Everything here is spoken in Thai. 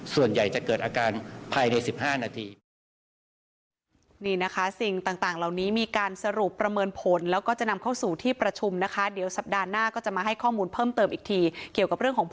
ส่วนใหญ่จะเกิดอาการภายใน๑๕นาที